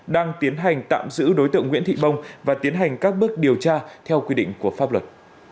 đang tiến hành tạm giữ đối tượng nguyễn thị bông và tiến hành các bước điều tra theo quy định của pháp luật